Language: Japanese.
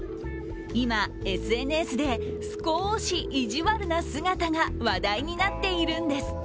今、ＳＮＳで少し意地悪な姿が話題になっているんです。